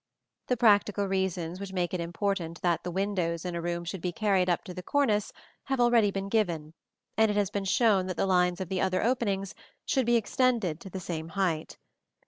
The practical reasons which make it important that the windows in a room should be carried up to the cornice have already been given, and it has been shown that the lines of the other openings should be extended to the same height.